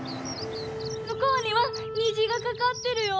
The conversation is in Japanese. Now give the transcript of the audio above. むこうにはにじがかかってるよ！